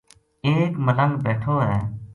ایک ملنگ بیٹھو ہے